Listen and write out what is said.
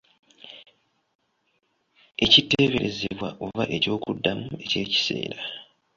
Ekiteeberezebwa oba eky'okuddamu ekyekiseera.